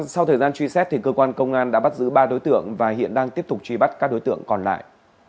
sau thời gian truy xét cơ quan công an đã bắt giữ ba đối tượng và hiện đang tiếp tục truy bắt các đối tượng còn lại